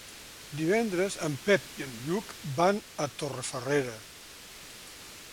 Divendres en Pep i en Lluc van a Torrefarrera.